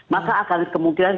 maka akan kemungkinan